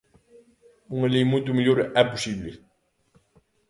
Unha lei moito mellor é posible.